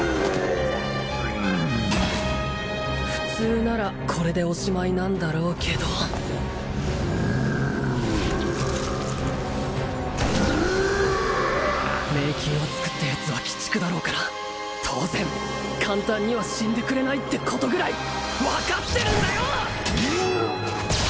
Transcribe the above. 普通ならこれでおしまいなんだろうけど迷宮を作ったヤツは鬼畜だろうから当然簡単には死んでくれないってことぐらい分かってるんだよ！